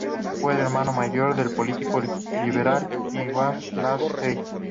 Fue el hermano mayor del político liberal Ingvar Lars Helle.